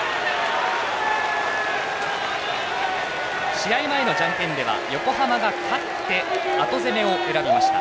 試合前のじゃんけんでは横浜が勝って後攻めを選びました。